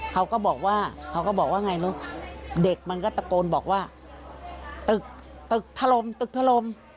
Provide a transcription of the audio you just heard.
เขาก็บอกว่าเขาก็บอกว่าไงรู้เด็กมันก็ตะโกนบอกว่าตึกตึกถล่มตึกถล่ม